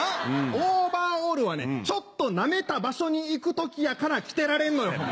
オーバーオールはちょっとナメた場所に行く時やから着てられんのよ。